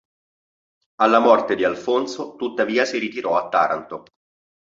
Alla morte di Alfonso tuttavia si ritirò a Taranto.